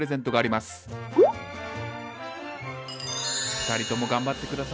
２人とも頑張って下さい。